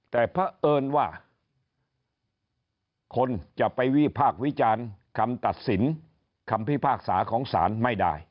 แต่เผอิญว่าคนจะไปวีภาควิจารณ์คำตัดสินคำวิภาคษาของสารไม่ได้